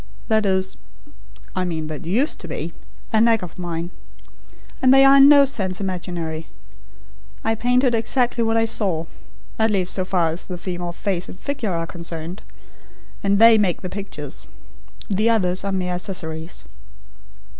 That is I mean, that used to be a knack of mine. And they are in no sense imaginary. I painted exactly what I saw at least, so far as the female face and figure are concerned. And they make the pictures. The others are mere accessories."